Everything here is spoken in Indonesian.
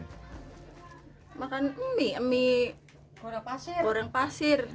makan mie goreng pasir